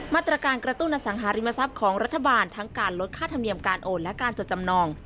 มาตรการกระตุ้นอสังหาริมทรัพย์ของรัฐบาลทั้งการลดค่าธรรมเนียมการโอนและการจดจำนอง